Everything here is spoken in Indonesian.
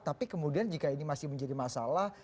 tapi kemudian jika ini masih menjadi masalah